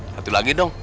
satu lagi dong